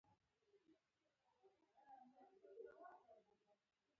ټول لقبونه مو سره ریشخند او وشرمول.